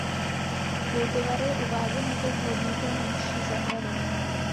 Kultivar je uváděn jako vhodný pro menší zahrady.